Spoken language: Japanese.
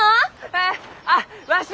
えっ？あっわし今！